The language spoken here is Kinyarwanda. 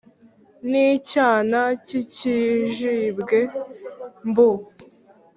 N'icyana cy'ikijibwe mbu